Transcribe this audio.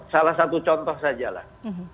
salah satu contoh saja lah